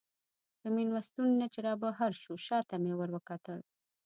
له مېلمستون نه چې رابهر شوو، شا ته مې وروکتل.